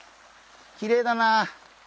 きれいだな。